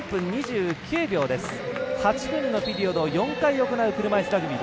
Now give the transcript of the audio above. ８分のピリオドを４回行う車いすラグビー。